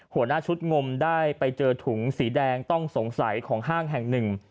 หัวหน้าชุดงมได้ไปเจอถุงสีแดงต้องสงสัยของห้างแห่งหนึ่ง